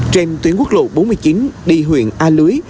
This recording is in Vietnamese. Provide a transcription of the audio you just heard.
trên tuyến quốc lộ bốn mươi chín đi huyện a lưới